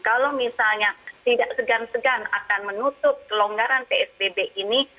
kalau misalnya tidak segan segan akan menutup kelonggaran psbb ini